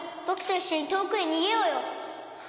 僕と一緒に遠くへ逃げようよ。